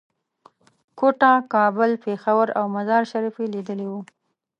کوټه، کابل، پېښور او مزار شریف یې لیدلي وو.